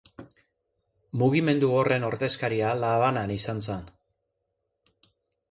Mugimendu horren ordezkaria La Habanan izan zen.